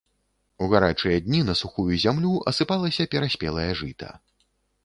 У гарачыя дні на сухую зямлю асыпалася пераспелае жыта.